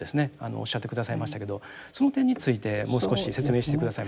おっしゃって下さいましたけどその点についてもう少し説明して下さいますか。